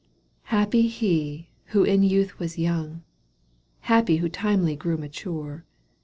\ Happy he who in youth was young, Happy who timely grew mature.